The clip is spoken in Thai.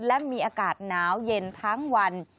และมีอากาศหนาวเย็นทั้งวัน